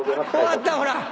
終わったほらっ！